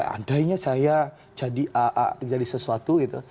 andainya saya jadi a a jadi sesuatu gitu